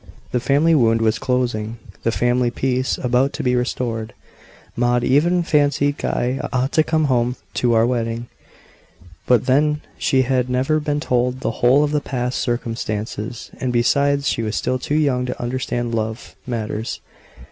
The family wound was closing, the family peace about to be restored; Maud even fancied Guy ought to come home to "our wedding;" but then she had never been told the whole of past circumstances; and, besides, she was still too young to understand love matters.